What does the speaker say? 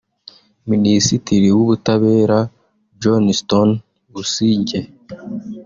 Minisitiri w’Ubutabera Johnston Busingye